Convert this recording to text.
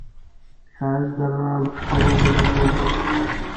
ښایست د رڼا له خړوبو نه جوړ دی